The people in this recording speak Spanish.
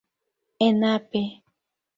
En Ap.